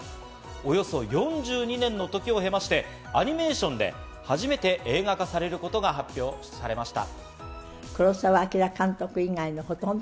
およそ４２年の時を経ましてアニメーションで初めて映画化されることが発表されました。